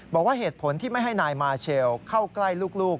บอกว่าเหตุผลที่ไม่ให้นายมาเชลเข้าใกล้ลูก